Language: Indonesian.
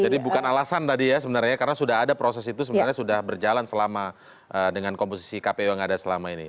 jadi bukan alasan tadi ya sebenarnya karena sudah ada proses itu sebenarnya sudah berjalan selama dengan komposisi kpu yang ada selama ini